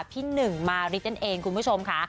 พี่หนึ่งมาริสนั่นเองคุณผู้ชมค่ะ